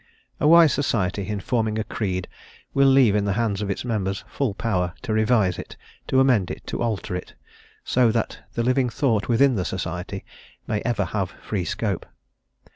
A wise society, in forming a creed, will leave in the hands of its members full power to revise it, to amend it, to alter it, so that the living thought within the society may ever have free scope.